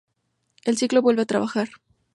El ciclo vuelve a trabajar.